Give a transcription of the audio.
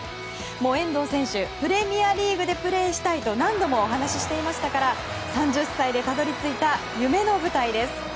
遠藤選手、プレミアリーグでプレーしたいと何度もお話ししていましたから３０歳でたどり着いた夢の舞台です。